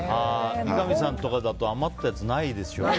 三上さんとかだと余ったやつないでしょ？